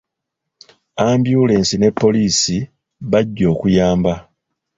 Ambyulensi ne poliisi bajja okuyamba.